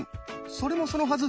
それもそのはず。